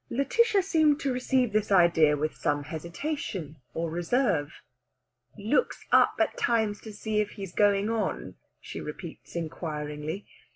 Lætitia seems to receive this idea with some hesitation or reserve. "Looks up at times to see if he's going on?" she repeats inquiringly.